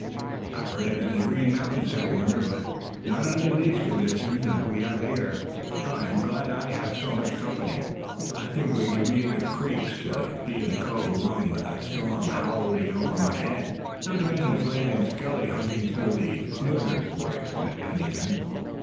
"I've heard it in the Green Mountains," said Warner, "but not under such conditions as we have here. I'm glad I have so much company. I think it would give me the creeps to be in the cove alone, with that storm howling over my head." "Not to mention Slade and Skelly hunting through the snowdrifts for you," said Pennington.